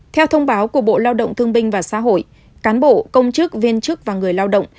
theo thông báo của bộ lao động thương binh và xã hội cán bộ công chức viên chức và người lao động